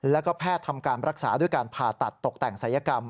แล้วก็แพทย์ทำการรักษาด้วยการผ่าตัดตกแต่งศัยกรรม